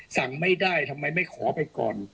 สั่งไม่ได้ทำไมไม่ขอไปก่อน